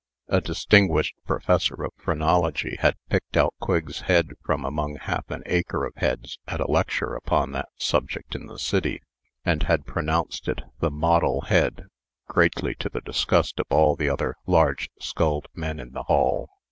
A distinguished professor of phrenology had picked out Quigg's head from among half an acre of heads at a lecture upon that subject in the city, and had pronounced it the "model head," greatly to the disgust of all the other large skulled men in the hall.